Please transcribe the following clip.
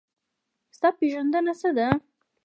ستا پېژندنه څه ده؟